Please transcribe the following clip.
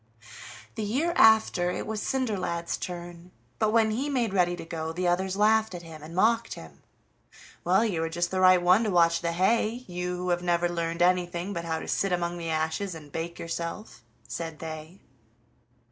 The year after, it was Cinderlad's turn, but when he made ready to go the others laughed at him, and mocked him. "Well, you are just the right one to watch the hay, you who have never learned anything but how to sit among the ashes and bake yourself!" said they.